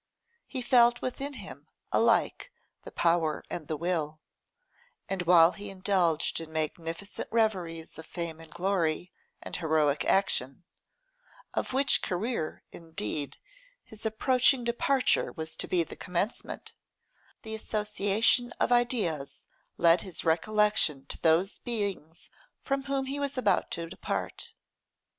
He felt within him alike the power and the will; and while he indulged in magnificent reveries of fame and glory and heroic action, of which career, indeed, his approaching departure was to be the commencement, the association of ideas led his recollection to those beings from whom he was about to depart.